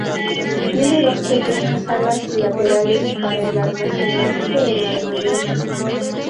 Tiene dos pequeñas alas laterales para almacenamiento del armamento.